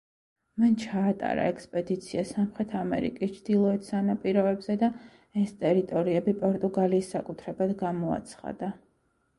მან ჩაატარა ექსპედიცია სამხრეთ ამერიკის ჩრდილოეთ სანაპიროებზე და ეს ტერიტორიები პორტუგალიის საკუთრებად გამოაცხადა.